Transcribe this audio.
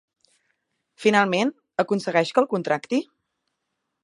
Finalment, aconsegueix que el contracti?